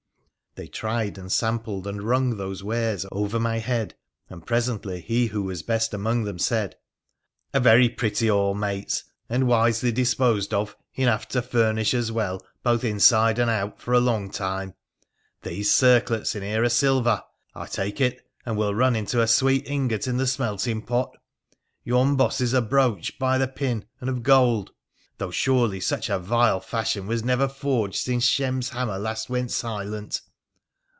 They tried, and sampled, and wrung those wares over my head ; and presently he who was best among them said —' A very pretty hand, mates, and, wisely disposed of, enough to furnish us well, both inside and out, for a long time. These circlets here are silver, I take it, and will run into a sweet ingot in the smelting pot. Yon boss is a brooch, by the pin, and of gold ; though surely such a vile fashion was never forged since Shem's hammer last went silent.'